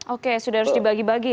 oke sudah harus dibagi bagi